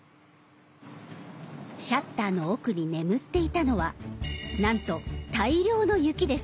シャッターの奥に眠っていたのはなんと大量の雪です。